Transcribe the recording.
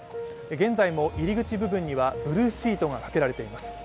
現在も入り口部分にはブルーシートがかけられています。